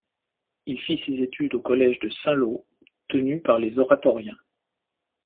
Il fit ses études au collège de Saint-Lô, tenu par les Oratoriens.